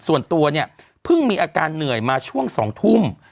ส่วนตัวเนี่ยเพิ่งมีอาการเหนื่อยมาช่วง๒ทุ่ม